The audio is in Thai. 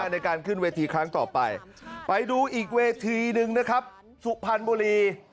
ในการขึ้นเวทีครั้งต่อไปไปดูอีกเวทีหนึ่งนะครับสุพรรณบุรี